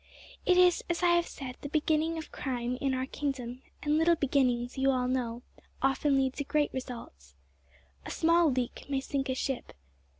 It is, as I have said, the beginning of crime in our kingdom, and little beginnings, you all know, often lead to great results. A small leak may sink a ship.